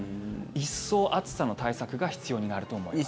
一層暑さの対策が必要になると思います。